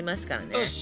よし！